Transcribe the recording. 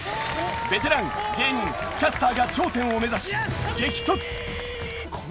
ベテラン芸人キャスターが頂点を目指し激突！